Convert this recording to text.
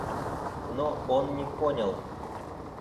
Но он не понял.